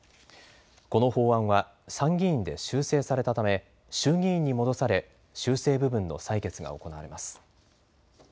この法案は参議院で修正されたため、衆議院に戻され修正部分の採決が行われます。